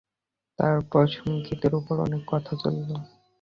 তারপর সঙ্গীতের উপর অনেক কথা চলল।